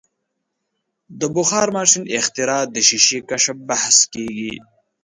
د بخار ماشین اختراع د شیشې کشف بحث کیږي.